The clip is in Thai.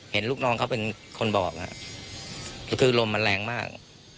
เห็นลูกน้องเขาเป็นคนบอกคือลมมันแรงมาก